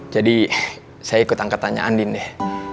jadi saya ikut angkatannya andin deh